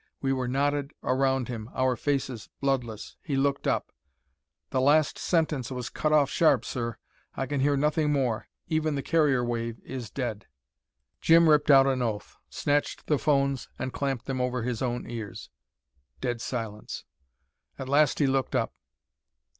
We were knotted around him, our faces bloodless. He looked up. "The last sentence was cut off sharp, sir. I can hear nothing more. Even the carrier wave is dead." Jim ripped out an oath, snatched the phones, and clamped them over his own ears. Dead silence. At last he looked up.